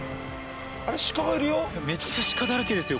めっちゃ鹿だらけですよ